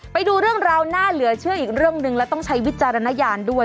ไปดูเรื่องราวน่าเหลือเชื่ออีกเรื่องหนึ่งและต้องใช้วิจารณญาณด้วย